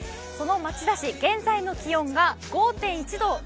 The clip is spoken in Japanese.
その町田市、現在の気温が５．１度。